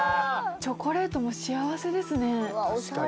チョコレートも幸せですね。